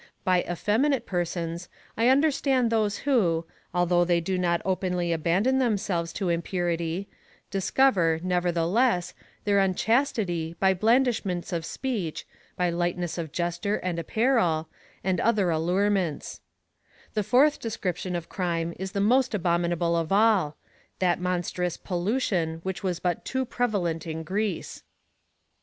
By effeminate persons I understand those who, although they do not openly abandon themselves to impurity, discover, nevertheless, their unchastity by bland ishments of speech, by lightness of gesture and apparel, and > See page 37. OIIAP. VI. 10. FIRST EPISTLE TO THE CORINTHIANS. 209 other allurements. The fourth description of crime is the most abominable of all — that monstrous pollution which was but too prevalent in Greece.